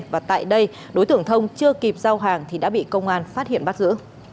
và tại đây đối tượng thông chưa kịp giao hàng thì đã bị công an phát hiện bắt giữ